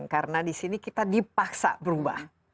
karena disini kita dipaksa berubah